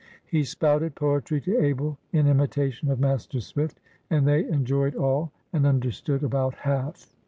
He spouted poetry to Abel in imitation of Master Swift, and they enjoyed all, and understood about half.